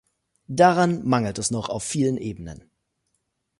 Daran mangelt es noch auf vielen Ebenen.